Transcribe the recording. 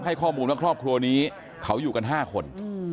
ให้ข้อมูลว่าครอบครัวนี้เขาอยู่กัน๕คน